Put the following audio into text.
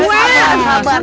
sini kartunya balikin